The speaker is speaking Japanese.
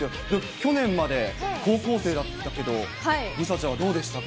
去年まで高校生だったけど、梨紗ちゃんはどうでしたか？